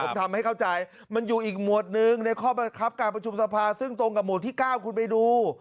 ผมทำให้เข้าใจมันอยู่อีกหมวดหนึ่งในข้อบังคับการประชุมสภาซึ่งตรงกับหมวดที่๙คุณไปดู